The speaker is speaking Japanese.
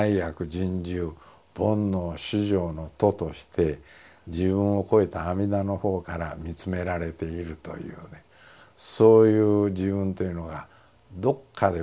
深重煩悩熾盛の徒として自分をこえた阿弥陀のほうから見つめられているというねそういう自分というのがどっかで忘れられてしまうんですね。